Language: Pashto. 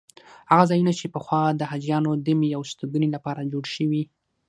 هغه ځایونه چې پخوا د حاجیانو دمې او استوګنې لپاره جوړ شوي.